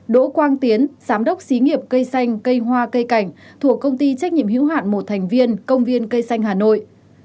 đỗ quang tiến giám đốc xí nghiệp cây xanh cây hoa cây cảnh thuộc công ty trách nhiệm hữu hạn một thành viên công viên cây xanh hà nội